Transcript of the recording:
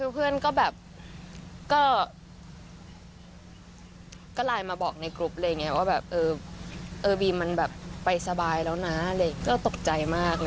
เพื่อนก็ไลน์มาบอกในกรุปว่าว่ามันไปสบายแล้วนะตกใจมาก